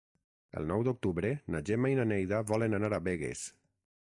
El nou d'octubre na Gemma i na Neida volen anar a Begues.